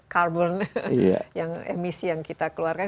carbon yang emisi yang kita keluarkan